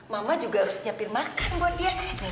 mama juga harus nyiapin makan buat dia